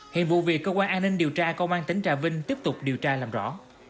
hiện vụ việc cơ quan an ninh điều tra công an tỉnh trà vinh tiếp tục điều tra làm rõ